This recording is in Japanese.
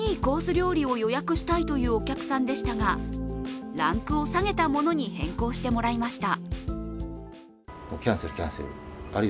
料理を予約したいというお客さんでしたが、ランクを下げたものに変更してもらいました。